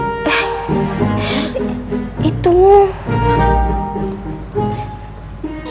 oh ternyata merupakan maaf ya